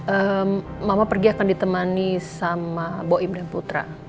eh mama pergi akan ditemani sama boim dan putra